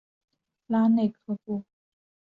拉内科布。